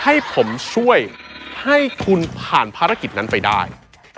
ให้ผมช่วยให้คุณผ่านภารกิจนั้นไปได้